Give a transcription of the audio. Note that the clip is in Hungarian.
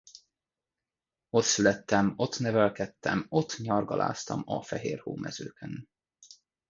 Ott születtem, ott nevelkedtem, ott nyargalásztam a fehér hómezőkön.